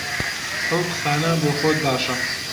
ئەو قسانە بۆ خۆت باشە!